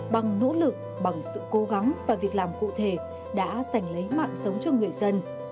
bằng nỗ lực bằng sự cố gắng và việc làm cụ thể đã dành lấy mạng sống cho người dân